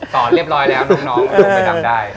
สอนเรียบร้อยแล้วน้องก็ลงไปดำได้